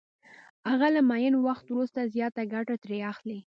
هغه له معین وخت وروسته زیاته ګټه ترې اخلي